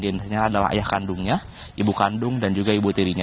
di antaranya adalah ayah kandungnya ibu kandung dan juga ibu tirinya